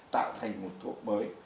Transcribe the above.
tạo thành một thuốc mới